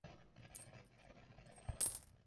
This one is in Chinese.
伴随大脑过程的意识经验不会产生因果效用。